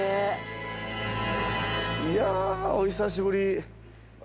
いやお久しぶり。